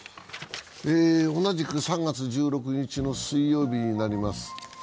同じく３月１６日の水曜日になります